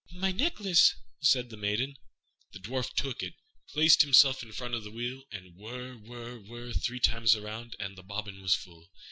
"My necklace," said the maiden. The Dwarf took it, placed himself in front of the wheel, and whirr, whirr, whirr, three times round, and the bobbin was full.